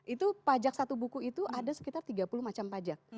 itu pajak satu buku itu ada sekitar tiga puluh macam pajak